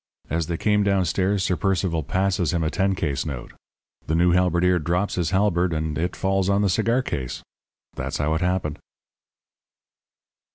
As they came down stairs Sir Percival passes him a ten case note. The new halberdier drops his halberd, and it falls on the cigar case. That's how that happened."